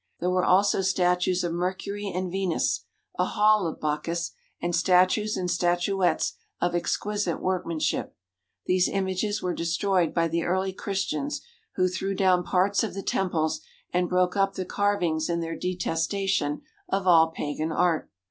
There were also statues of Mer cury and Venus, a Hall of Bacchus, and statues and statuettes of exquisite workmanship. These images were destroyed by the early Christians, who threw down parts of the temples and broke up the carvings in their de testation of all pagan art.